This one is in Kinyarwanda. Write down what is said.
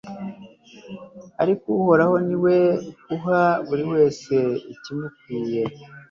ariko uhoraho ni we uha buri wese ikimukwiye